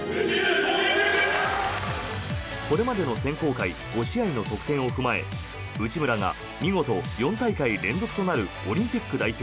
これまでの選考会５試合の得点を踏まえ内村が見事、４大会連続となるオリンピック代表